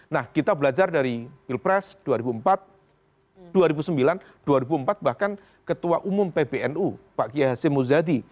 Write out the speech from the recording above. nah kita belajar dari pilpres dua ribu empat dua ribu sembilan dua ribu empat bahkan ketua umum pbnu pak kiai hasim muzadi